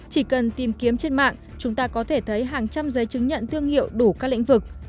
chỉ cần tìm kiếm trên mạng chúng ta có thể thấy hàng trăm giấy chứng nhận thương hiệu đủ các lĩnh vực